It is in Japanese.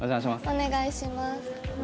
お願いします。